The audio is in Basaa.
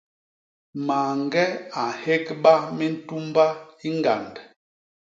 Mañge a nhégba mintumba i ñgand.